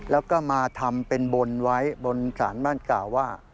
แล้วก็มาทำเป็นบนไว้บนสารบ้านกล่าวว่า